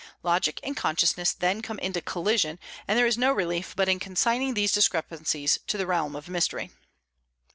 Logic and consciousness then come into collision, and there is no relief but in consigning these discrepancies to the realm of mystery.